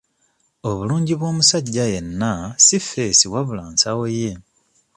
Obulungi bw'omusajja yenna si ffeesi wabula nsawo ye.